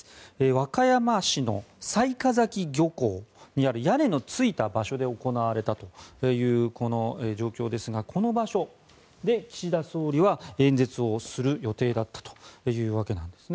和歌山市の雑賀崎漁港にある屋根のついた場所で行われたというこの状況ですがこの場所で岸田総理は演説をする予定だったというわけなんです。